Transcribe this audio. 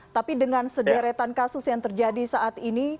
tapi dengan sederetan kasus yang terjadi saat ini